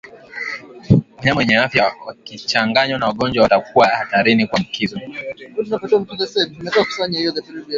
Wanyama wenye afya wakichanganywa na wagonjwa watakuwa hatarini kuambukizwa